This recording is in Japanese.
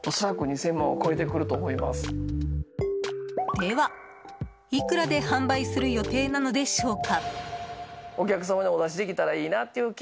では、いくらで販売する予定なのでしょうか。